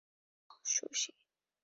অহ, sushi!